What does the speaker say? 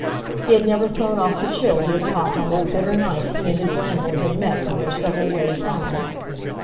He had never thrown off the chill he had caught on that bitter night he and his landlord had met on their several ways home.